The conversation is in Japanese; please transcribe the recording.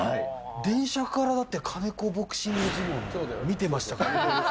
電車から、だって金子ボクシングジムを見てましたから。